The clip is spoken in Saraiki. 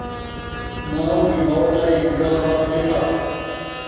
نان٘گ دی موت آئی ، راہ مل ٻیٹھا